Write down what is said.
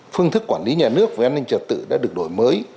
phương thức quản lý nhà nước về an ninh trật tự đã được đổi mới